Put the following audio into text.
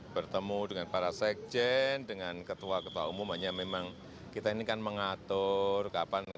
bertemu dengan para sekjen dengan ketua ketua umum hanya memang kita ini kan mengatur kapan